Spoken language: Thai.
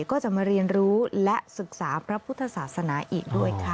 ก็จะมาเรียนรู้และศึกษาพระพุทธศาสนาอีกด้วยค่ะ